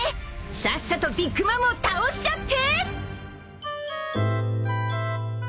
さっさとビッグ・マムを倒しちゃって！］